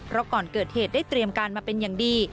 เพราะก่อนเกิดเหตุได้เตรียมการมาเป็นอย่างดี